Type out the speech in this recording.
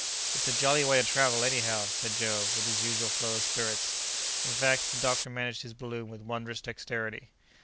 "It's a jolly way to travel, anyhow!" said Joe, with his usual flow of spirits. In fact, the doctor managed his balloon with wondrous dexterity.